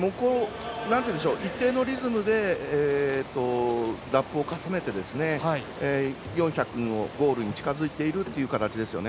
一定のリズムでラップを重ねて４００のゴールに近づいているという形ですよね。